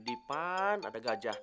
di depan ada tikus